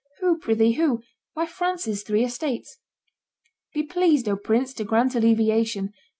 "Who? prithee, who?" "Why, France's three estates." "Be pleased, O prince, to grant alleviation